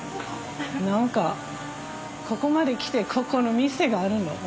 何かここまで来てここの店があるのびっくりした。